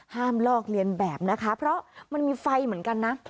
ลอกเลียนแบบนะคะเพราะมันมีไฟเหมือนกันนะ